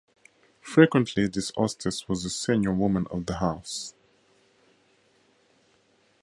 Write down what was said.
Frequently, this hostess was the senior woman of the house.